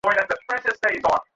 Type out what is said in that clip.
কাছে চাবি আছে?